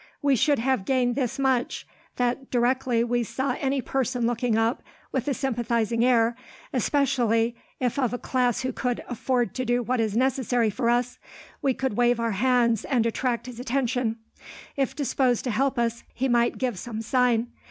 "We should have gained this much: that directly we saw any person looking up, with a sympathizing air, especially if of a class who could afford to do what is necessary for us, we could wave our hands and attract his attention. If disposed to help us, he might give some sign.